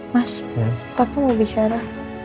mas papa mau bicara